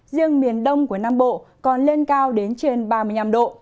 riêng miền đông của nam bộ còn lên cao đến trên ba mươi năm độ